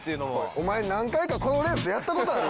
お前何回かこのレースやった事ある？